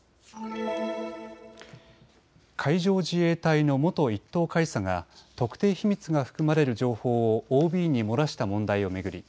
海上自衛隊の元１等海佐が特定秘密が含まれる情報をＯＢに漏らした問題を巡り